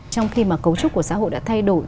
trong khi mà cấu trúc của xã hội đã thay đổi